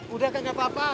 udah kakak papa